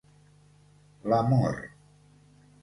L'amor